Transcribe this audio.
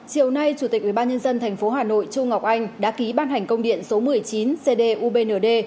chủ tịch ubnd tp hà nội trung ngọc anh đã ký ban hành công điện số một mươi chín cd ubnd